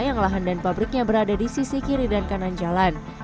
yang lahan dan pabriknya berada di sisi kiri dan kanan jalan